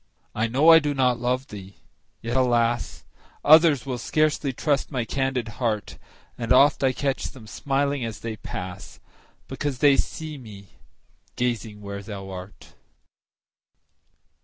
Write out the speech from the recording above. I know I do not love thee! yet, alas! Others will scarcely trust my candid heart; And oft I catch them smiling as they pass, Because they see me gazing where thou art.